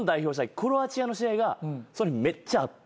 クロアチアの試合がめっちゃあって。